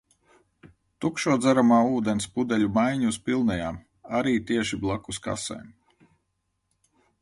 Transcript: Tukšo dzeramā ūdens pudeļu maiņa uz pilnajām - arī tieši blakus kasēm.